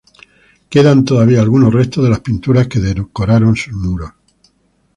Quedan todavía algunos restos de las pinturas que decoraron sus muros.